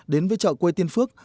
đến với chợ quê tiên phước